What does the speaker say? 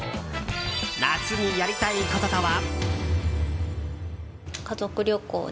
夏にやりたいこととは？